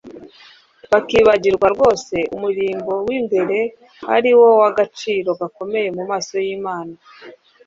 bakibagirwa rwose umurimbo w'imbere, ari wo w'agaciro gakomeye mu maso y'imana